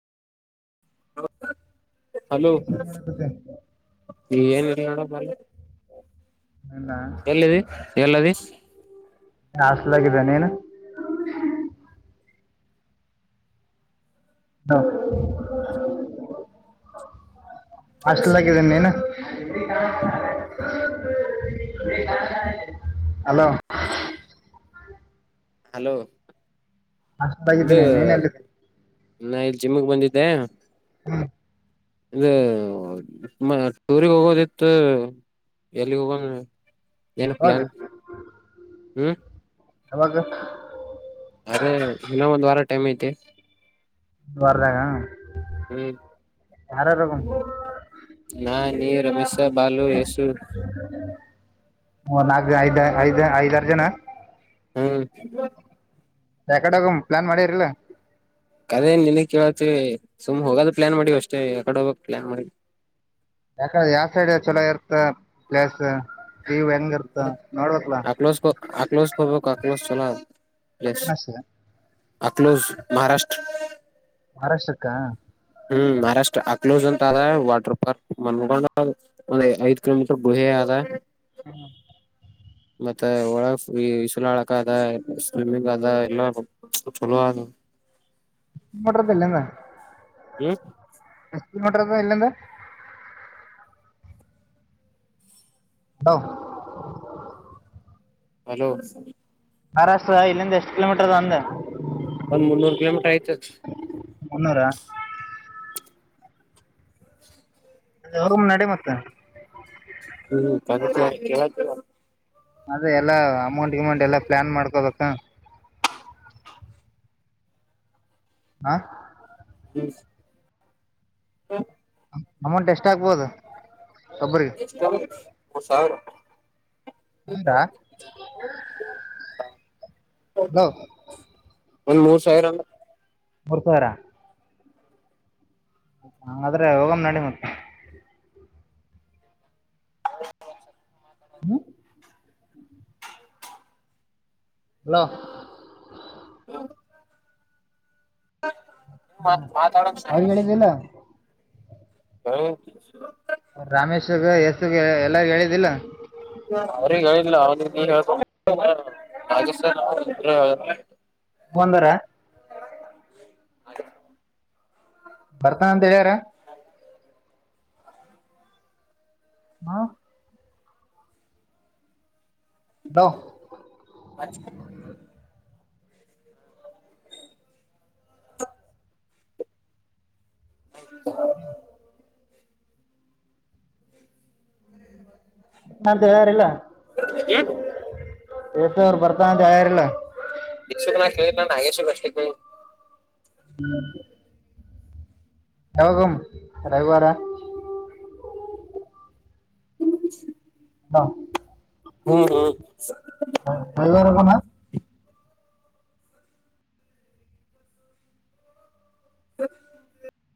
Hello ಏನ್ ಮಾಡಕತ್ತೆ ಏನಿಲ್ಲ ಹೇಳಪ್ಪ ಏನ ಎಲ್ಲದಿ ಹಾಸ್ಟಲ್ಗಿದ್ದೇ ನೀನು [unintelligible] ಹಾಸ್ಟಾಲಗಿದ್ದೀನಿ ನೀನು. ಹಲೋ ಹಲೋ ಇದು ಹಾಸ್ಟೆಲಾಗಿದ್ದೀನಿ ನೀನು ಎಲ್ಲಿದೆ ನಾ ಇಲ್ಲಿ ಜಿಮ್ಮಿಗೆ ಬಂದಿದ್ದೆ. ಹ್ಮ ಇ ಟೂರಿಗ್ ಹೋಗೋದಿತ್ತು ಎಲ್ಲಿಗ್ ಹೋಗ್ ಏನ್ ಯಾವಾಗ ಪ್ಲಾನ್ ಹ್ಮ್ ಯಾವಾಗ ಅರೆ ಇನ್ನ ಒಂದು ವಾರ ಟೈಮ್ ಐತಿ. ಈ ವಾರದಾಗ ಹ್ಮ್ ಯಾರ್ಯಾರು ಹೋಗಮ್ ನಾ ನೀ ರಮೇಶ ಬಾಲು ಯಶು ಹ ನಾಲ್ಕ್ ಐದ ಐದ ಐದಾರು ಜನ ಹ್ಮ್ ಯಾಕಡೆ ಹೋಗುಂ ಪ್ಲಾನ್ ಮಾಡಿರಿ ಇಲ್ಲ. ಕದೇ ನಿನ್ ಕೇಳತಿ ಸುಮ್ ಹೋಗೋದ್ ಪ್ಲಾನ್ ಮಾಡಿ ಅಷ್ಟೇ ಯಾಕಡೆ ಹೋಗಕ್ ಪ್ಲಾನ್ ಮಾಡಿಲ್ ಯಾಕ ಯಾಕಡೆ ಯಾವ ಸೈಡ್ ಚಲೋ ಇರ್ತ್ತ ಪ್ಲೇಸ್ ಪ್ರೀ ಅಕ್ಲೋಶ ಅಕ್ಲೋಶ ಹೋಗಬೇಕ್ ಅಕ್ಲೋಶ ಚೆನ್ನಾಗತ್ ಪ್ಲೇಸ್ ಪಟ್ನಾಸ್ ಅಕ್ಲೋಸ್ ಮಹಾರಾಷ್ಟ್ರ ಮಹಾರಾಷ್ಟ್ರಕ್ಕ ಹ್ಮ್ ಮಹಾರಾಷ್ಟ್ರ ಅಕ್ಲೋಸ್ ಅಂತಾರ ವಾಟರ್ ಪಾರ್ಕ್ ಮನ್ಗೊಂಡ್ ಅಲ್ಲಿ ಐದು ಕಿಲೋಮೀಟರ್ ಗುಹೆ ಆದ. ಹ್ಮ್ ಮತ್ತೆ ಒಳ ಈಸುಲಾಳಕ ಅದ ಸ್ವಿಮ್ಮಿಂಗ್ ಅದ ಎಲ್ಲಾ ಚಲೋ ಆದ ನೋಡ್ರೂ ಬಲೇನೋ ಸುಳ್ಳು ಎ ನೋಡ್ರದುಳ ಇಲ್ಲಂದ ಹ ಹಲೋ ಮಹಾರಾಷ್ಟ್ರ ಇಲ್ಲಿಂದ ಎಷ್ಟ್ ಕಿಲೋಮೀಟರ್ ಅದೇ ಅಂದೆ. ಒಂದ್ ಮುನ್ನೂರು ಕಿಲೋಮೀಟರ್ ಆಯಿತ್ತೆ. ಮುನ್ನೂರ ಹೋಗನ್ ನಡಿ ಮತ್ತೆ ಹ್ಮ್ ಪರಿಚಯ ಕೇಳಿಲ್ಲ. ಅದೇ ಎಲ್ಲಾ ಅಮೌಂಟ್ ಗಿಮೌಂಟ್ ಎಲ್ಲಾ ಪ್ಲಾನ್ ಮಾಡ್ಕೋಬೇಕ. ಹಾ [unintelligible] ಅಮೌಂಟ್ ಎಷ್ಟು ಆಗ್ಬೋದು ಒಬ್ಬರಿಗೆ. ಎಷ್ಟ್ ಆಗುತ್ ಮೂರು ಸಾವಿರ ಹೌದಾ ಹಲೋ ಒಂದ್ ಮೂರ್ ಸಾವಿರ ಅಂದೆ. ಮೂರು ಸಾವಿರ ಹಂಗಾದ್ರೆ ಹೋಗನ್ ನಡಿ ಮತ್ತೆ. ಹ್ಮ ಹಲೊ. ವಾತಾವರಣ ಸರಿ. ಅವ್ರಿಗೆ ಹೇಳಿದಿಲ್ಲ ಹೌ ರಾಮೇಶ್ಗ ಯಸುಗ್ ಎಲ್ಲಾರು ಹೇಳಿದ್ದಿಲ್ಲ. ಅವ್ರಿಗೆ ಹೇಳಿಲ್ಲ ಅವನಿಗೆ ಹೇಳಬಕೀತ್ತು ರಾಜು ಸರ್...... ಬಂದರ. ಬರ್ತಾನ ಅಂತ ಹೇಳ್ಯಾರ. ಹಾ ಹಲೋ.. ಅ [inaudible] ಹ [unintelligible] ಹ [unintelligible] ಹ [unintelligible] ನಾ ಯಾರಿಲ್ಲ. ಹೇ [inaudible] ತವ್ರು ಬರ್ತಾ ಅಂತ ಯಯಾರಲ್ಲ [unintelligible] ಯಶು ನಾ ಕೇಳಿಲ್ಲ ನಾಗ ಯಶು ಅಷ್ಟು. ಹ್ಮ್. ಯಾವಾಗ್ಮ್ ರವಿವಾರ. ಬಷ [inaudible] ಹಾ ಹ್ಮ ಹ್ಮ ರವಿವಾರ ಹೋಗನಾ. ಹ್ಮ